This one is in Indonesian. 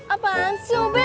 apaan sih obet